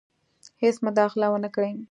هیڅ مداخله ونه کړي.